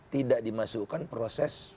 tidak dimasukkan proses